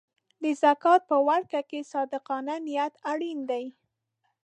د زکات په ورکړه کې صادقانه نیت اړین دی.